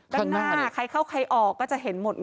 ด้านหน้าใครเข้าใครออกก็จะเห็นหมด